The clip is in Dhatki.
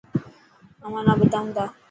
اوهان نا ٻڌائون تا.